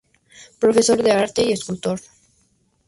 Profesor de Arte y escultor.